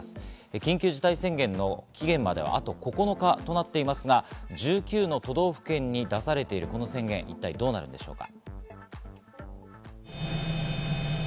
緊急事態宣言の期限まであと９日となっていますが１９の都道府県に出されている宣言、一体どうなるのでしょうか。